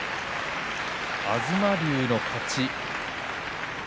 東龍の勝ち。